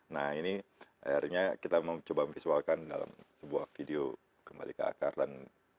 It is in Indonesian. nah ini akhirnya kita mau coba visualkan dalam sebuah video kembali ke akar dan